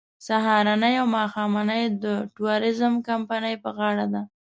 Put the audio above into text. سهارنۍ او ماښامنۍ د ټوریزم کمپنۍ په غاړه ده.